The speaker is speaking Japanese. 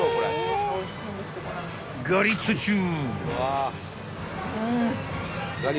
［ガリットチュウ］